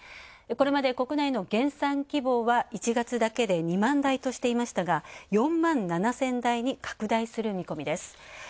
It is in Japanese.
これまで国内の減産規模は１月だけで２万台としていましたが、４万７０００台に拡大する見込みです。